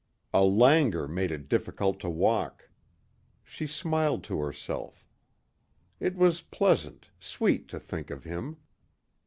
A languor made it difficult to walk. She smiled to herself. It was pleasant, sweet to think of him.